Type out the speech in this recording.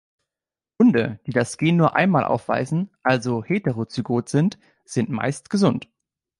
Hunde, die das Gen nur einmal aufweisen, also heterozygot sind, sind meist gesund.